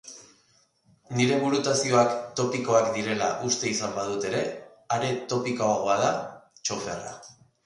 Nire burutazioak topikoak direla uste izan badut ere, are topikoagoa da txoferra.